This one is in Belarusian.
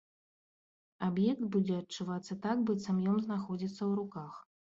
Аб'ект будзе адчувацца так, быццам ён знаходзіцца ў руках.